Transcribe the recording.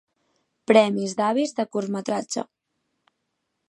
Premi Davis de curtmetratge.